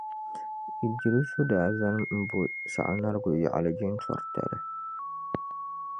Iddrisu daa zani m-bo Sagnarigu yaɣili jintɔri tali